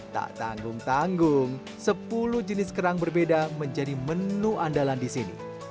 tak tanggung tanggung sepuluh jenis kerang berbeda menjadi menu andalan di sini